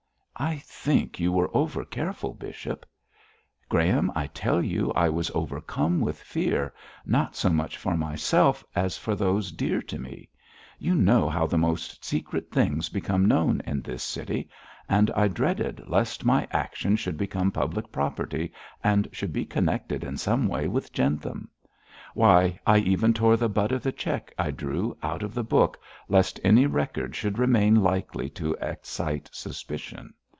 'I think you were over careful, bishop.' 'Graham, I tell you I was overcome with fear, not so much for myself as for those dear to me. You know how the most secret things become known in this city; and I dreaded lest my action should become public property, and should be connected in some way with Jentham. Why, I even tore the butt of the cheque I drew out of the book, lest any record should remain likely to excite suspicion.